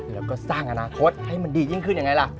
แล้วก็สร้างอนาคตให้มันดียิ่งขึ้นยังไงล่ะ